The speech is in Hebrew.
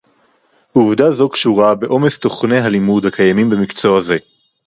עובדה זו קשורה בעומס תוכני הלימוד הקיימים במקצוע זה